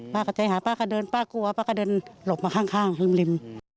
ใจหาป้าก็เดินป้ากลัวป้าก็เดินหลบมาข้างริม